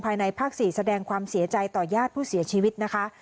ภายในภาค๔แสดงความเสียใจต่อญาติผู้เสียชีวิตนะคะ